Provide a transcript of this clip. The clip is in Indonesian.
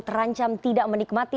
terancam tidak menikmati